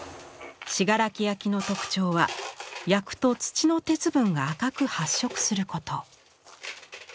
信楽焼の特徴は焼くと土の鉄分が赤く発色すること。